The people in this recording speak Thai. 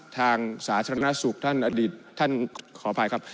สาธารณสุขท่านอดีตท่านขออภัยครับ